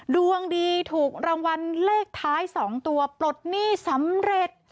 ดวงดีถูกรางวัลเลขท้าย๒ตัวปลดหนี้สำเร็จ